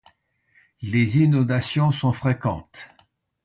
Les inondations sont fréquentes.